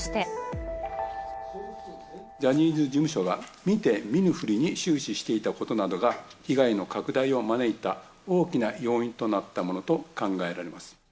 ジャニーズ事務所が見て見ぬふりに終始していたことなどが、被害の拡大を招いた大きな要因となったものと考えられます。